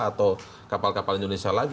atau kapal kapal indonesia lagi